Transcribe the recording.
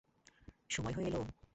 সময় হয়ে এলো।